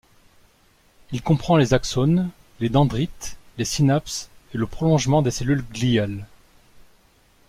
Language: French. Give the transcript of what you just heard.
Il comprend les axones, les dendrites, les synapses et le prolongement des cellules gliales.